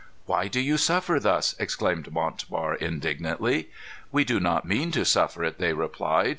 "Why do you suffer this?" exclaimed Montbar, indignantly. "We do not mean to suffer it," they replied.